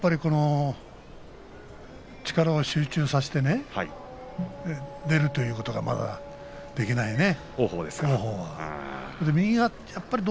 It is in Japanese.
力を集中させて出るということができないね